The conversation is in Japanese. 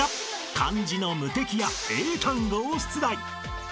［漢字の「むてき」や英単語を出題］